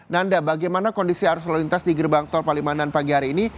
nanda bagaimana kondisi arus lalu lintas di gerbang tol palimanan pagi hari ini